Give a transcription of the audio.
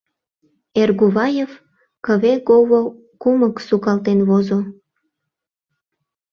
Эргуваев кыве-гово кумык сукалтен возо.